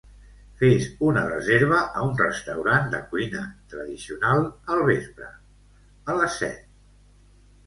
Fes una reserva a un restaurant de cuina tradicional al vespre, a les set.